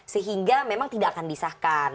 sehingga memang tidak akan disahkan